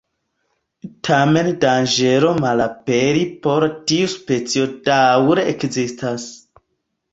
Tamen danĝero malaperi por tiu specio daŭre ekzistas.